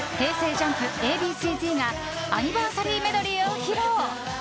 ＪＵＭＰＡ．Ｂ．Ｃ‐Ｚがアニバーサリーメドレーを披露。